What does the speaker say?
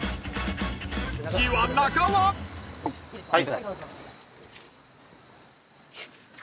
はい。